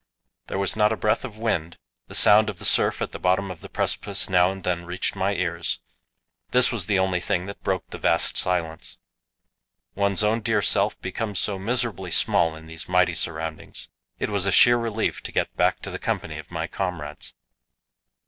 There was not a breath of wind; the sound of the surf at the bottom of the precipice now and then reached my ears this was the only thing that broke the vast silence. One's own dear self becomes so miserably small in these mighty surroundings; it was a sheer relief to get back to the company of my comrades."